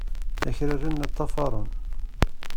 Akraren la ṭṭafaren.